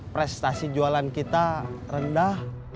prestasi jualan kita rendah